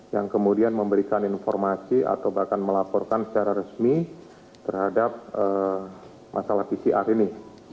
yang kemudian memberikan informasi atau bahkan melaporkan secara resmi terhadap masalah pcr ini